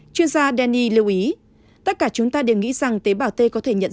chuyên gia danny lưu ý tất cả chúng ta đều nghĩ rằng tế bảo t có thể nhận ra